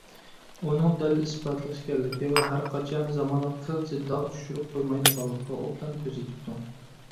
ئۇنىڭ دەلىل - ئىسپاتلىق ئىكەنلىكى ۋە ھەرقاچان زامانغا قىلچە داغ چۈشۈرۈپ قويمايدىغانلىقىغا ئوبدان كۆزى يېتىپتۇ.